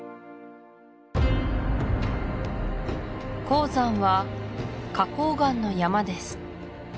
黄山は花崗岩の山です